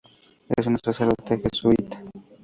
Es un sacerdote jesuita.